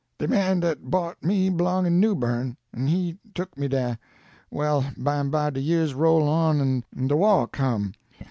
De man dat bought me b'long' in Newbern, an' he took me dah. Well, bymeby de years roll on an' de waw come.